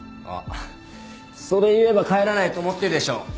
あっそれ言えば帰らないと思ってるでしょ？